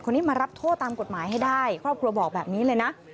คนนี้มารับโทษตามกฎหมายให้ได้ครอบครัวบอกแบบนี้เลยนะ